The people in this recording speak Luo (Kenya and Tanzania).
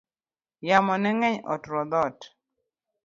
Yamo ne ng'eny oturo dhot